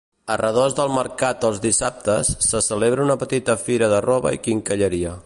A redós del mercat els dissabtes se celebra una petita fira de roba i quincalleria.